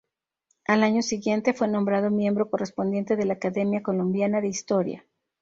Al año siguiente, fue nombrado Miembro Correspondiente de la Academia Colombiana de Historia.